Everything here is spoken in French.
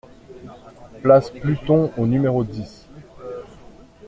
Place Pluton au numéro dix